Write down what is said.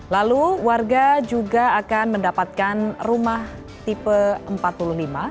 lalu warga juga akan mendapatkan rumah tipe empat puluh lima